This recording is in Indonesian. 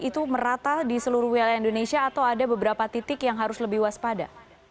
itu merata di seluruh wilayah indonesia atau ada beberapa titik yang harus lebih waspada